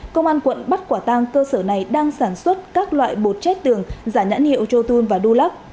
công an quận bắc quả tăng cơ sở này đang sản xuất các loại bột chét tường giả nhãn hiệu chotun và dulac